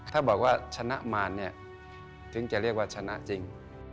ถ้าบอกว่าชนะมารเนี่ยถึงจะเรียกว่าชนะจริง